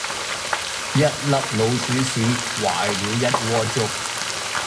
一粒老鼠屎，壞了一鍋粥